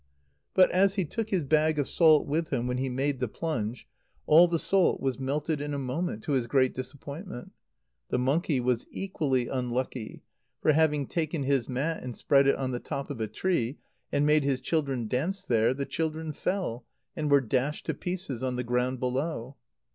But, as he took his bag of salt with him when he made the plunge, all the salt was melted in a moment, to his great disappointment. The monkey was equally unlucky; for, having taken his mat and spread it on the top of a tree, and made his children dance there, the children fell, and were dashed to pieces on the ground below.